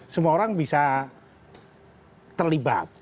semua orang bisa terlibat